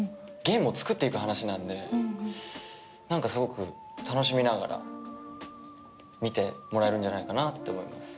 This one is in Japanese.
ゲームを作っていく話なんで何かすごく楽しみながら見てもらえるんじゃないかなって思います